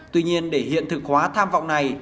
tuy nhiên để hiện thực hóa tham vọng này